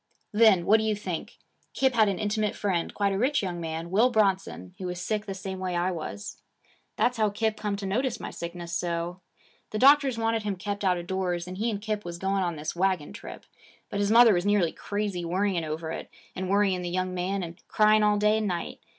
'Then what do you think Kip had an intimate friend, quite a rich young man, Will Bronson, who was sick the same way I was. That's how Kip come to notice my sickness so. The doctors wanted him kept out of doors, and he and Kip was going on this wagon trip. But his mother was nearly crazy worrying over it, and worrying the young man and crying all day and night.